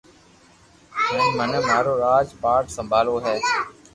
ھي مني مارو راج پاٺ سمڀالووُ ھي